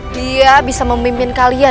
dia bisa memimpin kalian